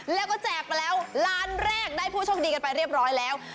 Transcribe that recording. แล้วก็แจกไปแล้วล้านแรกได้ผู้โชคดีกันไปเรียบร้อยแล้ว